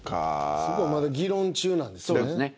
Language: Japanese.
そこはまだ議論中なんですね。